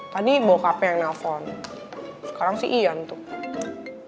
tadi bawa hape yang nelpon sekarang si ian tuh